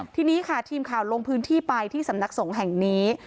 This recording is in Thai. ทีนี้ค่ะทีมข่าวลงพื้นที่ไปที่สำนักสงฆ์แห่งนี้